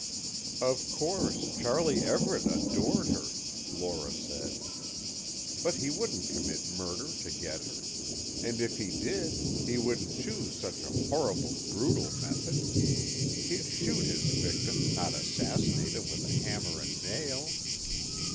"Of course, Charlie Everett adored her," Lora said, "but he wouldn't commit murder to get her. And if he did, he wouldn't choose such a horrible, brutal method. He'd shoot his victim, not assassinate him with a hammer and nail!"